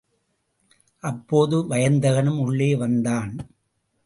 அப்போது வயந்தகனும் உள்ளே வந்தான்.